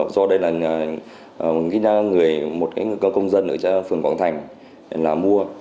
do đây là một người công dân ở phường quảng thành là mua